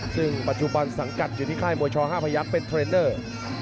ซึ่งปัจจุบันสังกัดอยู่ที่ค่ายมวยช๕พยักษ์เป็นเทรนเนอร์